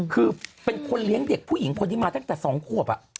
คือเป็นคนเลี้ยงเด็กผู้หญิงคนนี้มาตั้งแต่๒ขวบ